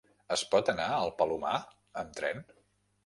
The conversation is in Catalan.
Es pot anar al Palomar amb tren?